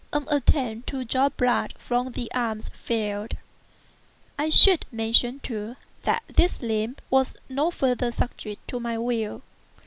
An attempt to draw blood from the arm failed. I should mention, too, that this limb was no farther subject to my will.